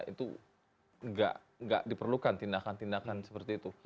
itu tidak diperlukan tindakan tindakan seperti itu